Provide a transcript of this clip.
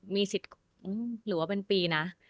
มีสิทธิ์หรือว่าเป็นปีนะ